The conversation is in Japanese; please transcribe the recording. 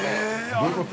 ◆どういうこと？